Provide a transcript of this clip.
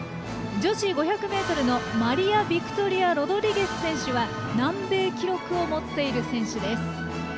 女子５００ｍのマリアビクトリア・ロドリゲス選手は南米記録を持っている選手です。